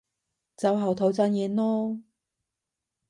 酒後吐真言囉